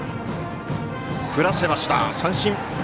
振らせました、三振。